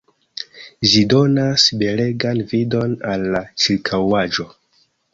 Ĝi donas belegan vidon al la ĉirkaŭaĵo.